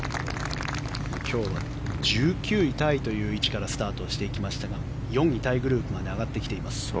今日は１９位タイという位置からスタートしていきましたが４位タイグループまで上がってきています。